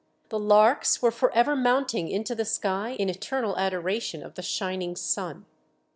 The larks were for ever mounting into the sky in eternal adoration of the shining sun.